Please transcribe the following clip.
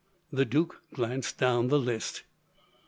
The duke glanced down the list.